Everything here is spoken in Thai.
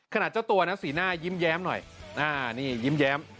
เจ้าตัวนะสีหน้ายิ้มแย้มหน่อยนี่ยิ้มแย้ม